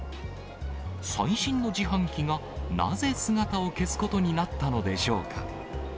最新の自販機がなぜ姿を消すことになったのでしょうか。